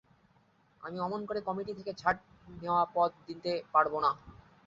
আমি অমন করে কমিটি থেকে ঝাঁট দিয়ে নেওয়া পদ নিতে পারব না।